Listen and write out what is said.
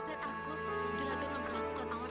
sambil mengawasi kamu